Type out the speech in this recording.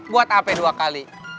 buat hp dua kali